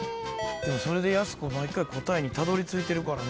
でもそれでやす子毎回答えにたどりついてるから。